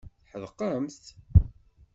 Tḥedqemt?